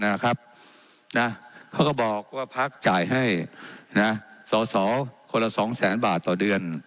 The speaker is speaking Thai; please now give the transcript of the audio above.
นะครับนะเขาก็บอกว่าพักจ่ายให้นะสอสอคนละสองแสนบาทต่อเดือน